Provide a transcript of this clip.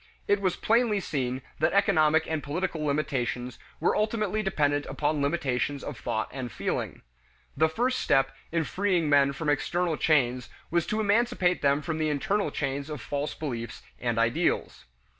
It was plainly seen that economic and political limitations were ultimately dependent upon limitations of thought and feeling. The first step in freeing men from external chains was to emancipate them from the internal chains of false beliefs and ideals.